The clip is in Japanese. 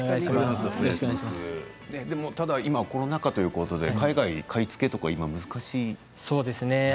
ただ、今コロナ禍ということで海外に買い付けということは難しいですか。